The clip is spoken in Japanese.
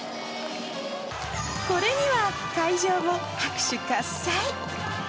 これには会場も拍手喝采。